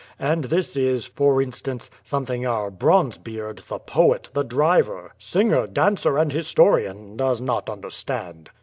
And this is, for instance, something our Bronzebeard, the poet, the driver, singer, dancer and historian does not understand.